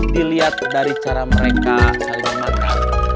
dilihat dari cara mereka saling makan